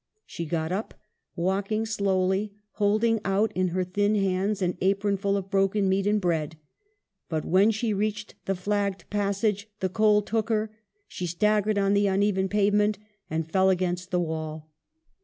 She got up, walking slowly, holding out in her thin hands an apronful of broken meat and bread. But when she reached the flagged passage the cold took her ; she staggered on the uneven pavement and fell against the wall.